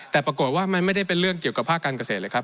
แต่ปรากฏว่ามันไม่ได้เป็นเรื่องเกี่ยวกับภาคการเกษตรเลยครับ